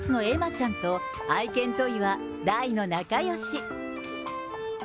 ちゃんと、愛犬トイは大の仲よし。